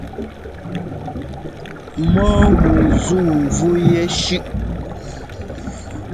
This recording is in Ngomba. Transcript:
Mɔ́ɔ wu zúu mvú yɛshʉ́ʼʉ?